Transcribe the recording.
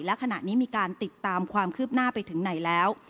และขณะนี้มีการติดตามความคืบหน้าไปถึงไหนแล้ว